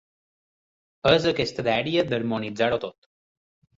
És aquesta dèria d’harmonitzar-ho tot.